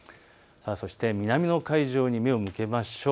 南の海上に目を向けましょう。